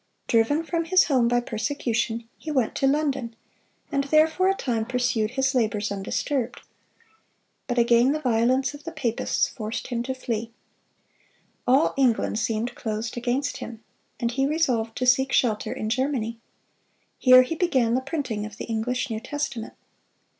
Driven from his home by persecution, he went to London, and there for a time pursued his labors undisturbed. But again the violence of the papists forced him to flee. All England seemed closed against him, and he resolved to seek shelter in Germany. Here he began the printing of the English New Testament.